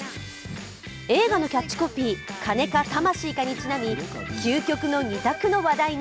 映画のキャッチコピー「金か魂か」にちなみ究極の２択の話題に。